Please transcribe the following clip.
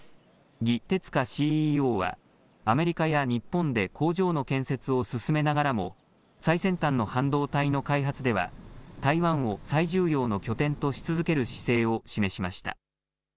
魏哲家ＣＥＯは、アメリカや日本で工場の建設を進めながらも、最先端の半導体の開発では、台湾を最重要の拠点とし続ける姿勢を示しました。